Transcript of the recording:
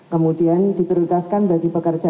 kemudian diperlutaskan bagi pekerja